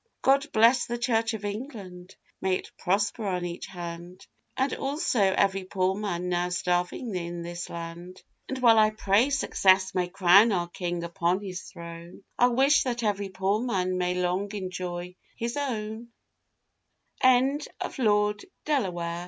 God bless the Church of England, may it prosper on each hand, And also every poor man now starving in this land; And while I pray success may crown our King upon his throne, I'll wish that every poor man may long enjoy hi